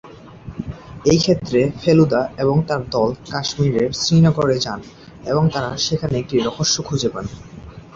এই ক্ষেত্রে, ফেলুদা এবং তার দল কাশ্মীরের শ্রীনগরে যান এবং তারা সেখানে একটি রহস্য খুঁজে পান।